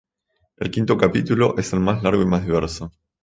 El quinto capítulo es el más largo y más diverso.